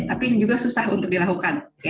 tapi ini juga susah untuk dilakukan